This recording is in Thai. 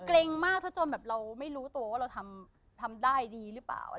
เกรงมากซะจนแบบเราไม่รู้ตัวว่าเราทำได้ดีหรือเปล่า